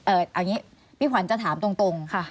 เอาอย่างนี้พี่ขวัญจะถามตรง